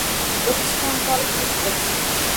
Oʼqish ham qolib ketdi!